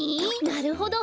なるほど。